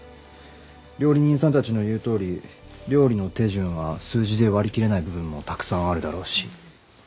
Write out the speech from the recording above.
料理人さんたちの言うとおり料理の手順は数字で割り切れない部分もたくさんあるだろうし。